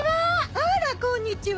あらこんにちは。